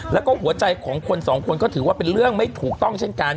แล้วก็หัวใจของคนสองคนก็ถือว่าเป็นเรื่องไม่ถูกต้องเช่นกัน